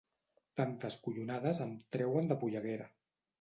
Tantes collonades em treuen de polleguera.